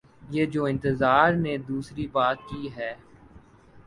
یہ جو انتظار نے دوسری بات کی ہے۔